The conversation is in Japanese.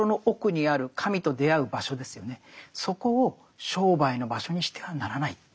そこを商売の場所にしてはならないって。